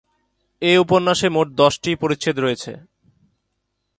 এই উপন্যাসে মোট দশটি পরিচ্ছেদ রয়েছে।